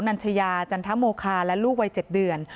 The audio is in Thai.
ของนางสาวนัญชญาจันทมโมคาและลูกวัย๗เดือน